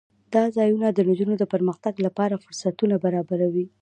دا ځایونه د نجونو د پرمختګ لپاره فرصتونه برابروي.